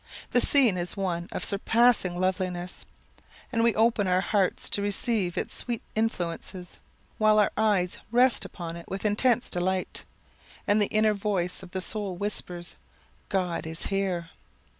The scene is one of surpassing loveliness, and we open our hearts to receive its sweet influences, while our eyes rest upon it with intense delight, and the inner voice of the soul whispers God is here!